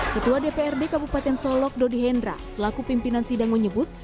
ketua dprd kabupaten solok dodi hendra selaku pimpinan sidang menyebut